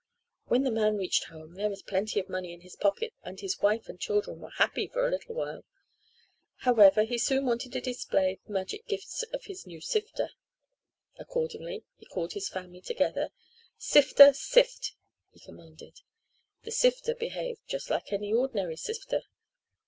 When the man reached home there was plenty of money in his pockets and his wife and children were happy for a little while. However, he soon wanted to display the magic gifts of his new sifter. Accordingly, he called his family together. "Sifter, sift," he commanded. The sifter behaved just like any ordinary sifter.